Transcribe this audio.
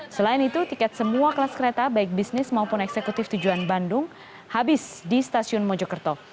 selain itu tiket semua kelas kereta baik bisnis maupun eksekutif tujuan bandung habis di stasiun mojokerto